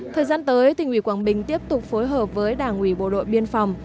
thời gian tới tỉnh ủy quảng bình tiếp tục phối hợp với đảng ủy bộ đội biên phòng